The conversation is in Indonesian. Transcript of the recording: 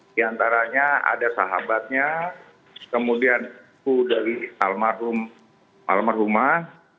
di antaranya ada sahabatnya kemudian itu dari almarhum almarhumah